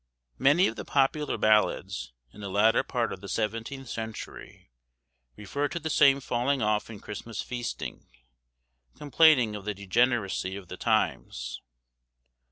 Many of the popular ballads, in the latter part of the seventeenth century, refer to the same falling off in Christmas feasting, complaining of the degeneracy of the times.